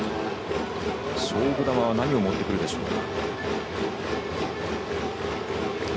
勝負球は何を持ってくるでしょうか。